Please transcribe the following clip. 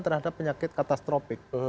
terhadap penyakit katastrofik